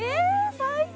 最高！